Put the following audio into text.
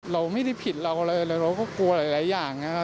เราไม่ได้ผิดเราอะไรเลยเราก็กลัวหลายอย่างนะครับ